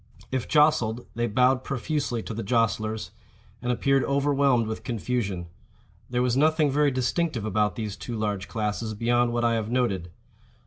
If jostled, they bowed profusely to the jostlers, and appeared overwhelmed with confusion.—There was nothing very distinctive about these two large classes beyond what I have noted.